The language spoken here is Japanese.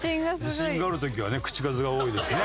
自信がある時はね口数が多いですね。